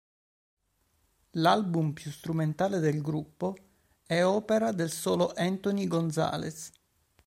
L'album più strumentale del gruppo è opera del solo Anthony Gonzalez.